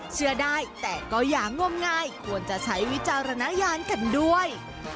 เชื่อได้แต่ก็อย่างงมงายควรจะใช้วิจารณญาณกันด้วย